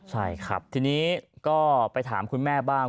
ใช่ครับทีนี้ก็ไปถามคุณแม่บ้าง